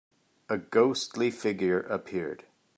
A ghostly figure appeared.